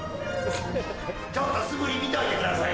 ちょっと素振り見といてください。